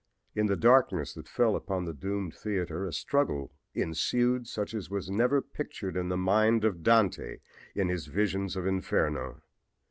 In the darkness that fell upon the doomed theater a struggle ensued such as was never pictured in the mind of Dante in his visions of Inferno.